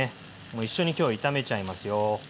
もう一緒に今日は炒めちゃいますよ。